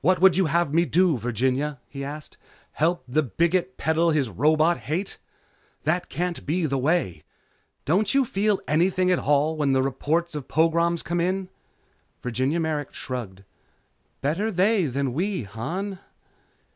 "What would you have me do, Virginia?" he asked, "Help the bigot peddle his robot hate? That can't be the way. Don't you feel anything at all when the reports of pogroms come in?" Virginia Merrick shrugged. "Better they than we, Han."